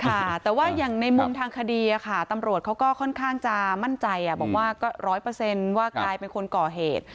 ค่ะแต่ว่าอย่างในมุมทางคดีอ่ะค่ะตำรวจเขาก็ค่อนข้างจะมั่นใจอ่ะบอกว่าก็ร้อยเปอร์เซ็นต์ว่ากลายเป็นคนก่อเหตุ